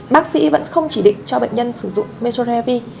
bác sĩ vẫn không chỉ định cho bệnh nhân sử dụng menstrual therapy